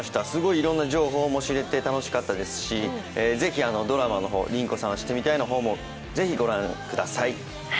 いろんな情報も知れて楽しかったですし、ぜひドラマのほう「凛子さんはシてみたい」もぜひ御覧ください。